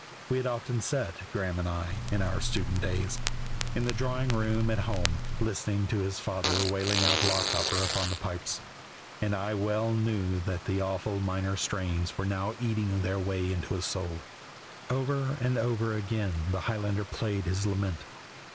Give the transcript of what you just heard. We had often sat, Graeme and I, in our student days, in the drawing room at home, listening to his father wailing out "Lochaber" upon the pipes, and I well knew that the awful minor strains were now eating their way into his soul. Over and over again the Highlander played his lament.